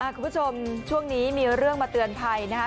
คุณผู้ชมช่วงนี้มีเรื่องมาเตือนภัยนะคะ